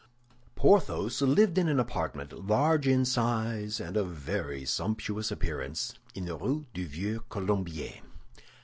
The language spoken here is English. Porthos lived in an apartment, large in size and of very sumptuous appearance, in the Rue du Vieux Colombier.